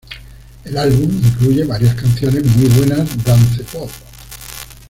El álbum incluye varias canciones muy buenas dance-pop.